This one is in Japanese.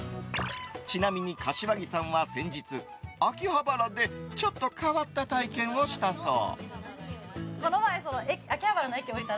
ちなみに柏木さんは先日、秋葉原でちょっと変わった体験をしたそう。